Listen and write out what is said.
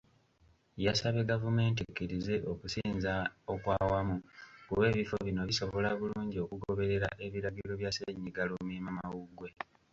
Yasabye gavumenti ekkirize okusinza okwawamu kuba ebifo bino bisobola bulungi okugoberera ebiragiro bya ssennyiga Lumiimamawuggwe.